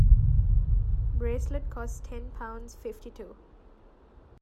The bracelet costs ten pounds fifty-two